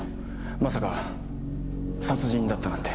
まさか殺人だったなんて。